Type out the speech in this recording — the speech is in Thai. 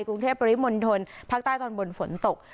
กรุงเทพปริมณฑลภาคใต้ตอนบนฝนตก